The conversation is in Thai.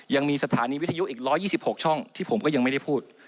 ยังมีสถานีวิทยุอีก๑๒๖ช่องที่ผมก็ยังไม่ได้พูด